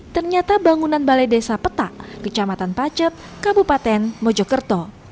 ternyata bangunan balai desa petak kecamatan pacet kabupaten mojokerto